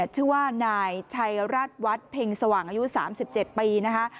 ชื่อว่านายชัยรัฐวัฒน์เพ็งสว่างอายุ๓๗ปีนะคะ